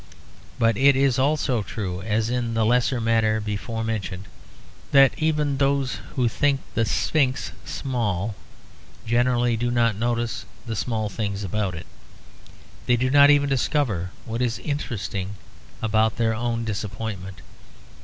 But it is also true, as in the lesser matter before mentioned, that even those who think the Sphinx small generally do not notice the small things about it. They do not even discover what is interesting about their own disappointment.